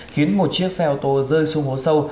khiến một chiếc xe ô tô rơi xuống hố sâu